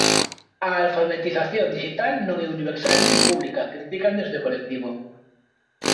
"A alfabetización dixital non é universal nin pública", critican desde o colectivo.